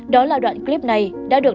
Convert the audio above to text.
đó là đoạn clip này đã được